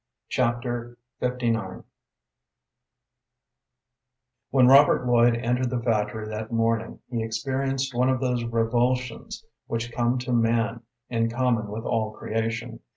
Chapter LIX When Robert Lloyd entered the factory that morning he experienced one of those revulsions which come to man in common with all creation.